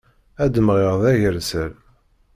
Ad d-mɣiɣ d agersal.